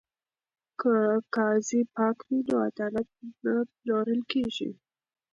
که قاضي پاک وي نو عدالت نه پلورل کیږي.